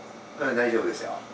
大丈夫ですよ。